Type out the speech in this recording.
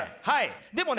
でもね